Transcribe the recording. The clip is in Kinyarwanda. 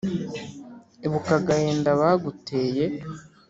Ibuka agahinda baguteye !